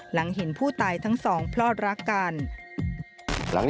หลังเห็นผู้ตายทั้งสองพลอดรักกัน